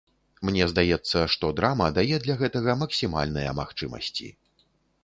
Мне здаецца, што драма дае для гэтага максімальныя магчымасці.